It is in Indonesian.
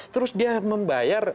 terus dia membayar